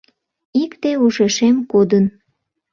Икте ушешем кодын.